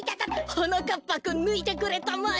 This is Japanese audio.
はなかっぱくんぬいてくれたまえ。